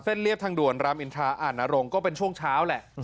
เรียบทางด่วนรามอินทราอ่านนรงค์ก็เป็นช่วงเช้าแหละ